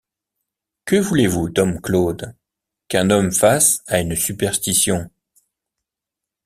Que voulez-vous, dom Claude, qu’un homme fasse à une superstition?